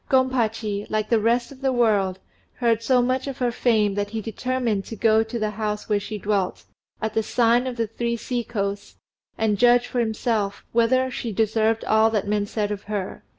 Gompachi, like the rest of the world, heard so much of her fame that he determined to go to the house where she dwelt, at the sign of "The Three Sea coasts," and judge for himself whether she deserved all that men said of her.